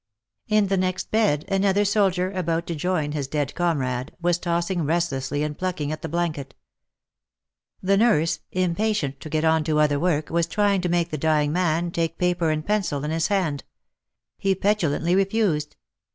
In the next bed, another soldier, about to join his dead comrade, was tossing restlessly, and plucking at the blanket. The nurse, impatient to get on to other work, was trying to make the dying man take paper and pencil in his hand. He petulantly re fused.